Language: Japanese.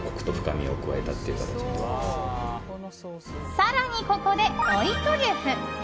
更に、ここで追いトリュフ！